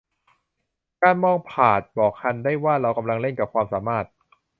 การมองผาดบอกฮันได้ว่า เรากำลังเล่นกับความสามารถ